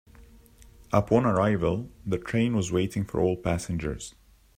Upon arrival, the train was waiting for all passengers.